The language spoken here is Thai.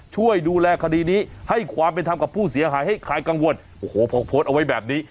ช่วยดูแลคดีนี้ให้ความเป็นธรรมกับผู้เสียหายให้ใครกังวลโอ้โหพอโพสต์เอาไว้แบบนี้